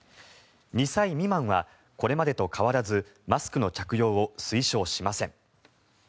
２歳未満はこれまでと変わらずマスクの着用を推奨しません。